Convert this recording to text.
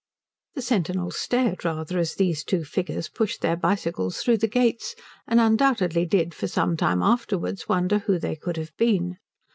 The sentinels stared rather as these two figures pushed their bicycles through the gates, and undoubtedly did for some time afterwards wonder who they could have been.